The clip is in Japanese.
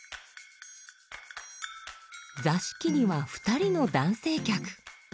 座敷には２人の男性客。